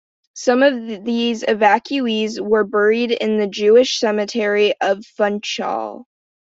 Some of these evacuees were buried in the Jewish Cemetery of Funchal.